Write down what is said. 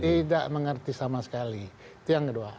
tidak mengerti sama sekali itu yang kedua